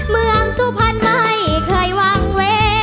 เมืองสุภัณฑ์ไม่เคยวังไว้